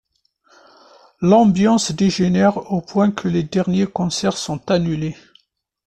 L'ambiance dégénère au point que les derniers concerts sont annulés.